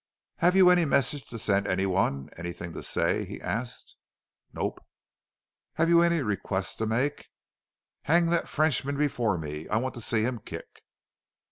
"Have you any message to send any one anything to say?" he asked. "Nope." "Have you any request to make?" "Hang that Frenchman before me! I want to see him kick."